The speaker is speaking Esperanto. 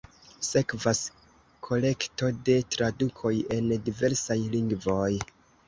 Sekvas kolekto de tradukoj en diversaj lingvoj.